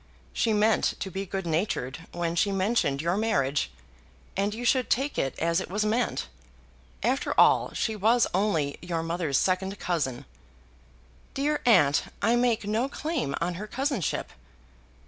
She meant to be good natured when she mentioned your marriage, and you should take it as it was meant. After all she was only your mother's second cousin " "Dear aunt, I make no claim on her cousinship."